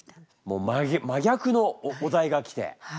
もう真逆のお題が来て。